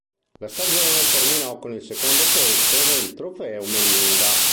La stagione terminò con il secondo posto nel Trofeo Melinda.